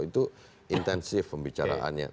itu intensif pembicaraannya